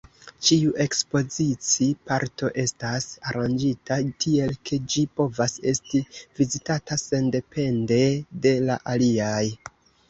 Ĉiu ekspozici-parto estas aranĝita tiel, ke ĝi povas esti vizitata sendepende de la aliaj.